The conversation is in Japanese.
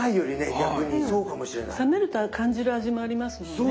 冷めると感じる味もありますもんね。